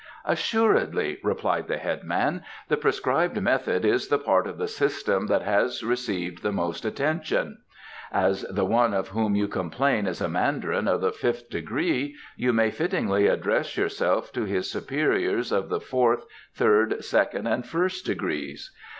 "Assuredly," replied the headman; "the prescribed method is the part of the system that has received the most attention. As the one of whom you complain is a mandarin of the fifth degree, you may fittingly address yourself to his superiors of the fourth, third, second and first degrees.